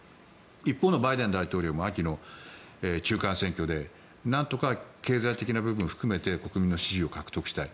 一方のバイデン大統領も秋の中間選挙でなんとか経済的な部分を含めて国民の支持を獲得したい。